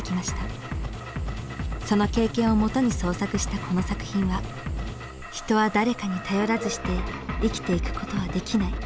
その経験をもとに創作したこの作品は「人は誰かに頼らずして生きていくことはできない」。